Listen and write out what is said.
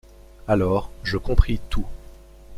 Alors je compris tout.